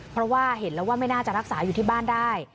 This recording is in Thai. เพราะว่าเห็นแล้วว่าไม่น่าจะรักษาอยู่ที่บ้านได้